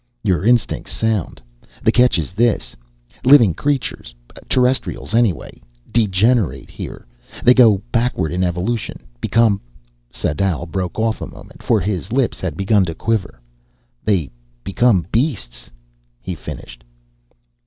"Your instinct's sound. The catch is this: Living creatures Terrestrials anyway degenerate here. They go backward in evolution, become " Sadau broke off a moment, for his lips had begun to quiver. "They become beasts," he finished.